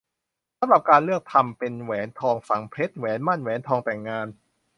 สำหรับการเลือกทำเป็นแหวนทองฝังเพชร แหวนหมั้น แหวนทองแต่งงาน